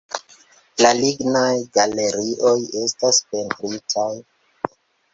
La lignaj galerioj estas pentritaj.